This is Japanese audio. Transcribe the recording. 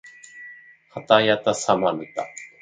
はたやたさまぬた